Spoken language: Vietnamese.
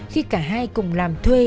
khi cả hai cùng làm thuê